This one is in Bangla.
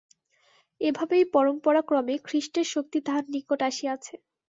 এইভাবেই পরম্পরাক্রমে খ্রীষ্টের শক্তি তাঁহার নিকট আসিয়াছে।